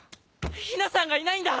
陽菜さんがいないんだ！